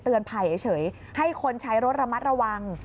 เตือนภัยเฉยให้คนใช้รถระมัดระวัง